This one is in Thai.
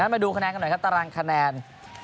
มาดูคะแนนกันหน่อยครับตารางคะแนน